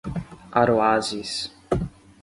Aroazes